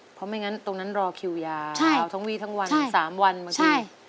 เพราะไม่อย่างนั้นตรงนั้นรอคิวยาวทั้งวีทั้งวัน๓วันเมื่อกี้